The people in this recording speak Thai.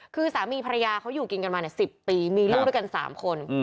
คือสามีภรรยาเขาอยู่กินกันมา๑๐ปีมีลูกด้วยกัน๓คน